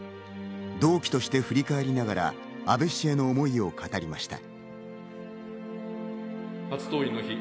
同期として振り返りながら安倍氏への思いを語りました。